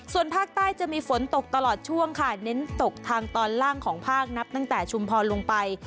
ส่วนภาคใต้จะมีฝนตกตลอดช่วงค่ะเน้นตกทางตอนล่างของภาคนับตั้งแต่ชุมพรลงไป